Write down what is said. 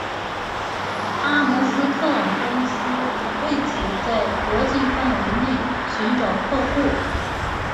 阿姆斯特朗公司为此在国际范围内寻找客户。